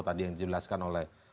tadi yang dijelaskan oleh